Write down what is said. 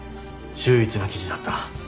秀逸な記事だった。